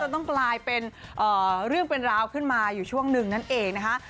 ต้องกลายเป็นเรื่องเป็นราวขึ้นมาอยู่ช่วงหนึ่งนั่นเองนะคะ